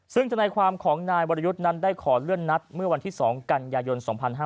ซึ่งธนายความของนายวรยุทธ์นั้นได้ขอเลื่อนนัดเมื่อวันที่๒กันยายน๒๕๕๙